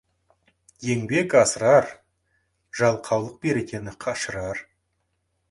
Еңбек асырар, жалқаулық берекені қашырар.